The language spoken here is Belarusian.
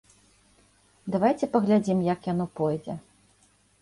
Давайце паглядзім, як яно пойдзе.